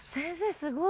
すごい。